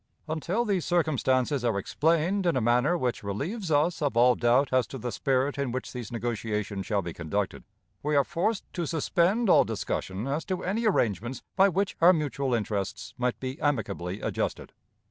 Until these circumstances are explained in a manner which relieves us of all doubt as to the spirit in which these negotiations shall be conducted, we are forced to suspend all discussion as to any arrangements by which our mutual interests might be amicably adjusted.